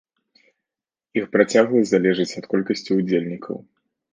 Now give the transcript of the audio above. Іх працягласць залежыць ад колькасці удзельнікаў.